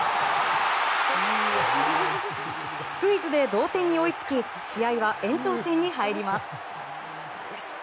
スクイズで同点に追いつき試合は延長戦に入ります。